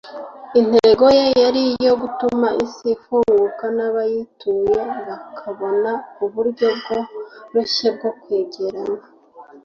Intego ye yari iyo gutuma isi ifunguka n'bayituye bakabona uburyo bworoshye bwo kwegerana